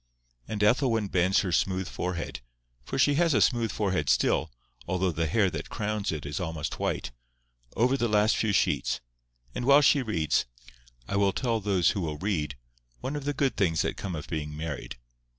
And Ethelwyn bends her smooth forehead—for she has a smooth forehead still, although the hair that crowns it is almost white—over the last few sheets; and while she reads, I will tell those who will read, one of the good things that come of being married.